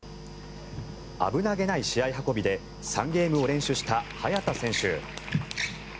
危なげない試合運びで３ゲームを連取した早田選手。